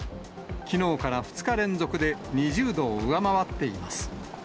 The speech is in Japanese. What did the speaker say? きのうから２日連続で２０度を上回っています。